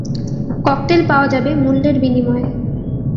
Cocktail পাওয়া যাবে মূল্যের বিনিময়ে।